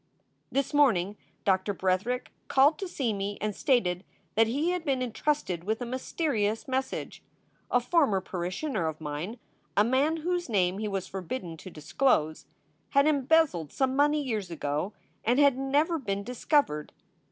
This morning Doctor Bretherick called to see me and stated that he had been intrusted with a mysterious message. A former parishioner of mine, a man whose name he was forbidden to disclose, had embezzled some money years ago and had never been dis covered.